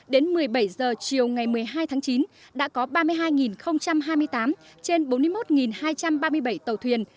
đến một mươi bảy h chiều ngày một mươi hai tháng chín đã có ba mươi hai hai mươi tám trên bốn mươi một hai trăm ba mươi bảy tàu thuyền